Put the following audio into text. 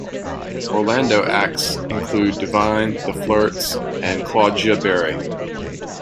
Orlando acts include Divine, The Flirts, and Claudja Barry.